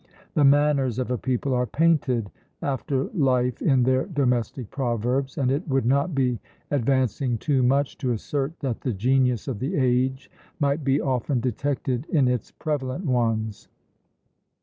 The manners of a people are painted after life in their domestic proverbs; and it would not be advancing too much to assert, that the genius of the age might be often detected in its prevalent ones.